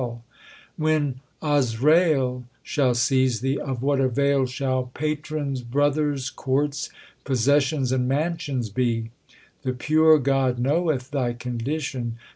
82 THE SIKH RELIGION When Azrail shall seize thee, of what avail Shall patrons, brothers, courts, possessions, and mansions be? The pure God knoweth thy condition.